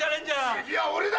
次は俺だ！